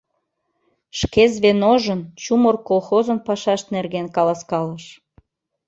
Шке звеножын, чумыр колхозын пашашт нерген каласкалыш.